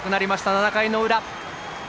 ７回の裏。